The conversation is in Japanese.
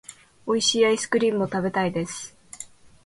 美味しいアイスクリームを食べたいです。